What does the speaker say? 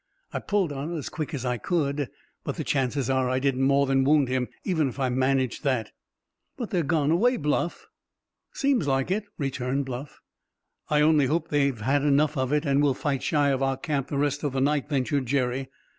I pulled on it as quick as I could; but the chances are I didn't more than wound him, even if I managed that." "But they're gone away, Bluff!" "Seems like it," returned Bluff. "I only hope they've had enough of it, and will fight shy of our camp the rest of the night," ventured Jerry.